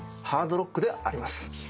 ハードロックであります。